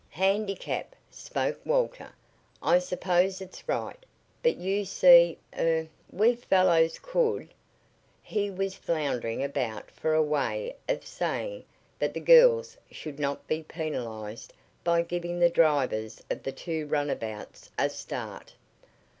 "Handicap," spoke Walter. "I suppose it's right, but you see er we fellows could " He was floundering about for a way of saying that the girls should not be penalized by giving the drivers of the two runabouts a start.